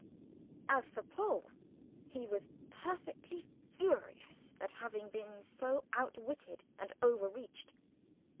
As for Paul, he was perfectly furious at having been so outwitted and overreached.